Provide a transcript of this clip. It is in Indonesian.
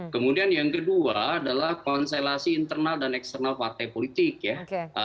kemudian yang kedua adalah konstelasi internal dan eksternal partai politik ya